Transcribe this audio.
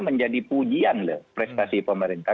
menjadi pujian prestasi pemerintah